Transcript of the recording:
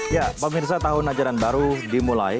ya pemirsa tahun ajaran baru dimulai